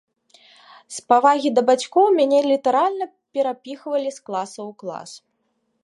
З павагі да бацькоў мяне літаральна перапіхвалі з класа ў клас.